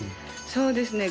そうですね。